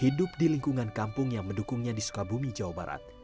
hidup di lingkungan kampung yang mendukungnya di sukabumi jawa barat